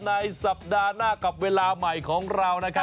ในสัปดาห์หน้ากับเวลาใหม่ของเรานะครับ